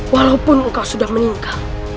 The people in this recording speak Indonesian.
walaupun engkau sudah meninggal